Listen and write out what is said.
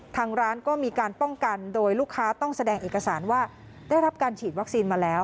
ทางร้านก็มีการป้องกันโดยลูกค้าต้องแสดงเอกสารว่าได้รับการฉีดวัคซีนมาแล้ว